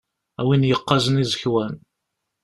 A win yeqqazen iẓekwan.